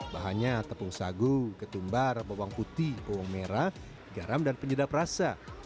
bahannya tepung sagu ketumbar bawang putih bawang merah garam dan penyedap rasa